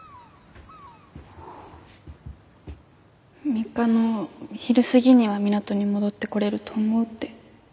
３日の昼過ぎには港に戻ってこれると思うって。